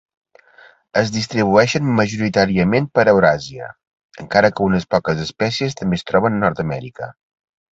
Es distribueixen majoritàriament per Euràsia, encara que unes poques espècies també es troben a Nord-amèrica.